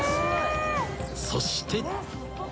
［そして］